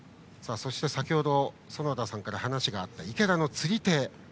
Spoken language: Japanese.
先程園田さんから話があった池田の釣り手。